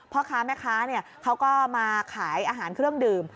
พ่อค้าแม่ค้าเขาก็มาขายอาหารเครื่องดื่ม